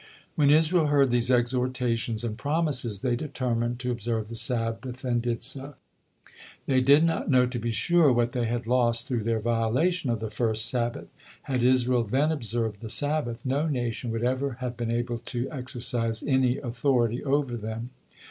When Israel heard these exhortations and promises, they determined to observe the Sabbath, and did so. They did not know, to be sure, what they had lost through their violation of the first Sabbath. Had Israel then observed the Sabbath, no nation would ever have been able to exercise any authority over them.